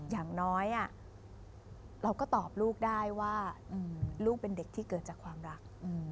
อย่างน้อยเราก็ตอบลูกได้ว่าลูกเป็นเด็กที่เกิดจากความรัก